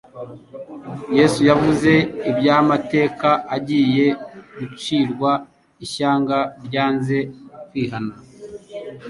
Yesu yavuze iby'amateka agiye gucirwa ishyanga ryanze kwihana.